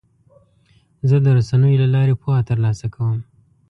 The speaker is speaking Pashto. زه د رسنیو له لارې پوهه ترلاسه کوم.